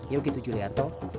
yuk itu juliarto